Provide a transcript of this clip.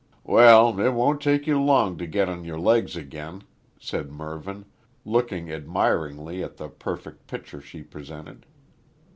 "Well, it won't take you long to get on your legs again," said Mervyn, looking admiringly at the perfect picture she presented.